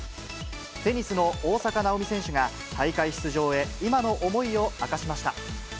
テニスの大坂なおみ選手が、大会出場へ、今の思いを明かしました。